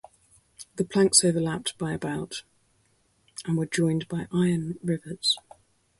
The planks overlapped by about - and were joined by iron rivets.